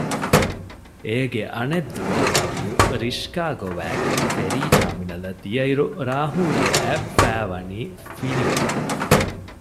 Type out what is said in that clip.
އޭގެ އަނެއް ދުވަހު ހަވީރު ރިޝްކާ ގޮވައިގެން ފެރީ ޓާމިނަލަށް ދިޔައިރު ރާހުލްގެ އަތް ފައި ވަނީ ފިނިވެފަ